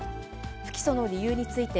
不起訴の理由について、